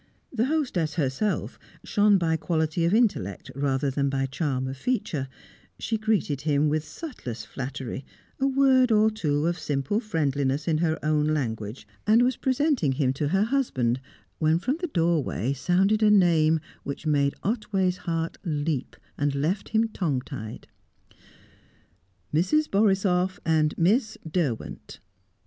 The hostess herself shone by quality of intellect rather than by charm of feature; she greeted him with subtlest flattery, a word or two of simple friendliness in her own language, and was presenting him to her husband, when, from the doorway, sounded a name which made Otway's heart leap, and left him tongue tied. "Mrs. Borisoff and Miss Derwent."